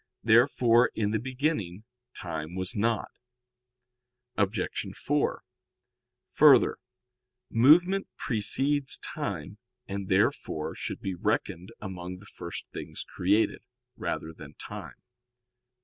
Therefore in the beginning time was not. Obj. 4: Further, movement precedes time, and therefore should be reckoned among the first things created, rather than time.